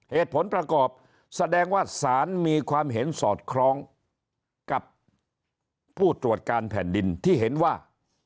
เหตุผลประกอบแสดงว่าสารมีความเห็นสอดคล้องกับผู้ตรวจการแผ่นดินที่เห็นว่า